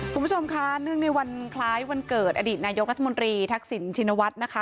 คุณผู้ชมคะเนื่องในวันคล้ายวันเกิดอดีตนายกรัฐมนตรีทักษิณชินวัฒน์นะคะ